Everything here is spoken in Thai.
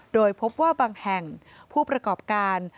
โดยพบว่าบางแห่งผู้ประกอบการ